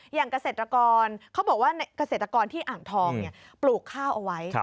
เกษตรกรเขาบอกว่าเกษตรกรที่อ่างทองปลูกข้าวเอาไว้